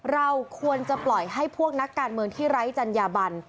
เราควรจะปล่อยให้พวกนักการเมืองที่ไร้จัญญาบัน